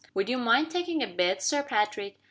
Would you mind taking a bet, Sir Patrick?"